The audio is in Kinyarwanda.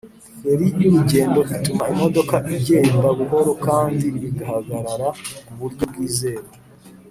Feri y urugendo ituma imodoka igenda buhoro kandi igahagarara ku buryo bwizewe